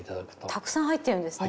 たくさん入ってるんですね。